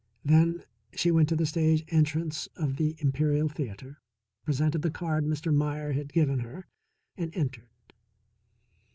Then she went to the stage entrance of the Imperial Theatre, presented the card Mr. Meier had given her, and entered.